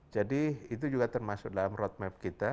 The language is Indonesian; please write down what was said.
jadi itu juga termasuk dalam road map kita